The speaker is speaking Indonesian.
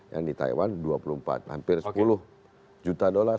yang di taiwan dua puluh empat hampir sepuluh juta dolar